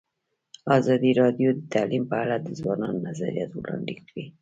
ازادي راډیو د تعلیم په اړه د ځوانانو نظریات وړاندې کړي.